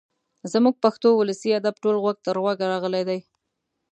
زموږ پښتو ولسي ادب ټول غوږ تر غوږه راغلی دی.